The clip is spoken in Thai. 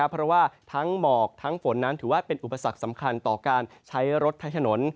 เพราะว่าทั้งหมอกทั้งฝนนั้นถือว่าเป็นอุปสรรคสำคัญต่อการใช้รถใช้ถนน